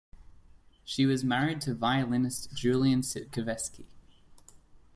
She was married to violinist Julian Sitkovetsky.